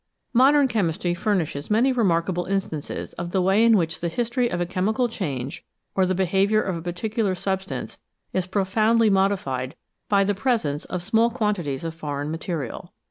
Modern chemistry furnishes many remarkable instances of the way in which the history of a chemical change or the behaviour of a particular substance is profoundly modified by the presence of small quantities of foreign material.